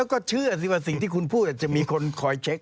แล้วก็เชื่อสิว่าสิ่งที่คุณพูดอาจจะมีคนคอยเช็ค